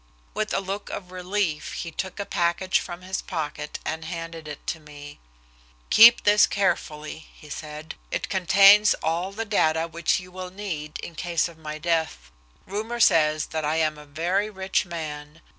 With a look of relief he took a package from his pocket and handed it to me. "Keep this carefully," he said. "It contains all the data which you will need in case of my death. Rumor says that I am a very rich man.